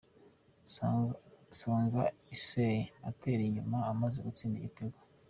Songa Isaie atera ikinyuma amaze gutsinda igitego.